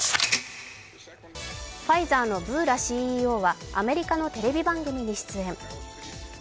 ファイザーのブーラＣＥＯはアメリカのテレビ番組に出演。